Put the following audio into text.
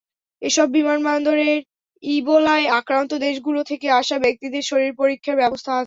এসব বিমানবন্দরে ইবোলায় আক্রান্ত দেশগুলো থেকে আসা ব্যক্তিদের শরীর পরীক্ষার ব্যবস্থা আছে।